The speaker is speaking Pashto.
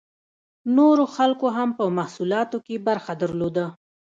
نورو خلکو هم په محصولاتو کې برخه درلوده.